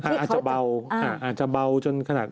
อาจจะเบาอาจจะเบาจนขนาด